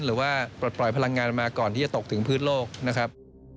ปลดปล่อยพลังงานมาก่อนที่จะตกถึงพื้นโลกนะครับ